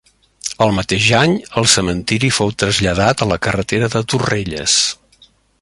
El mateix any, el cementiri fou traslladat a la carretera de Torrelles.